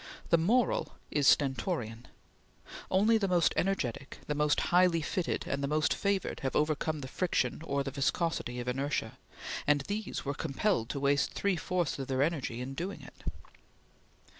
The moral is stentorian. Only the most energetic, the most highly fitted, and the most favored have overcome the friction or the viscosity of inertia, and these were compelled to waste three fourths of their energy in doing it.